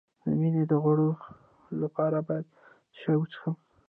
د وینې د غوړ لپاره باید څه شی وڅښم؟